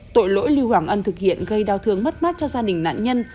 tội lỗi lưu hoàng ân thực hiện gây đau thương mất mát cho gia đình nạn nhân